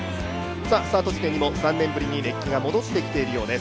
スタート地点にも３年ぶりに熱気が戻ってきているようです。